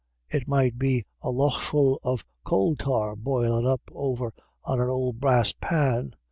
It might be a loughful of coal tar boilin* up over an ould brass pan.